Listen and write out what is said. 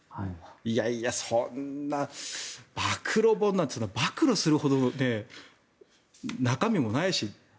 いやいや、そんな暴露本なんて暴露するほど中身もないしって。